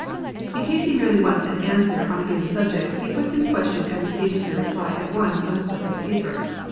In case he merely wants an answer on a given subject, he puts his question and receives the reply at once on a slip of paper.